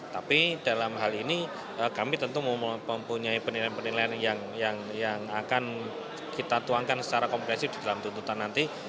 tapi dalam hal ini kami tentu mempunyai penilaian penilaian yang akan kita tuangkan secara kompresif di dalam tuntutan nanti